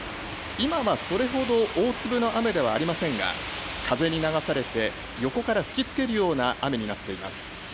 今はそれほど大粒の雨ではありませんが風に流されて横から吹きつけるような雨になっています。